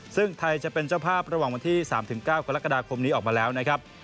ซึ่งไทยจะเป็นเจ้าภาพระหว่างวันที่๓๙กรกฎาคมนี้ออกมาแล้วนะครับ